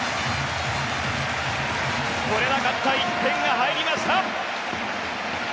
取れなかった１点が入りました！